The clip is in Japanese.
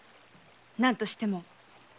何としても。